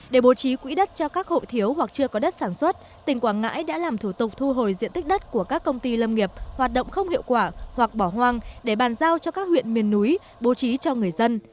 để bố trí quỹ đất cho các hộ thiếu hoặc chưa có đất sản xuất tỉnh quảng ngãi đã làm thủ tục thu hồi diện tích đất của các công ty lâm nghiệp hoạt động không hiệu quả hoặc bỏ hoang để bàn giao cho các huyện miền núi bố trí cho người dân